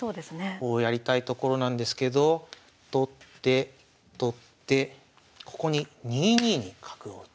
こうやりたいところなんですけど取って取ってここに２二に角を打つ。